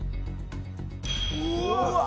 うわっ！